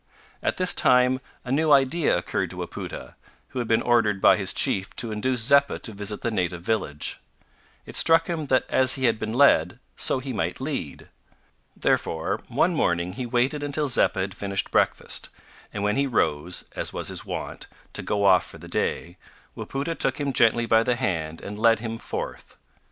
At this time a new idea occurred to Wapoota, who had been ordered by his chief to induce Zeppa to visit the native village. It struck him that as he had been led, so he might lead. Therefore one morning he waited until Zeppa had finished breakfast, and when he rose, as was his wont, to go off for the day, Wapoota took him gently by the hand and led him forth.